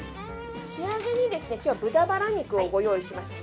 仕上げに今日は豚バラ肉をご用意しました。